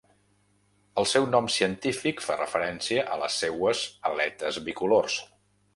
El seu nom científic fa referència a les seues aletes bicolors.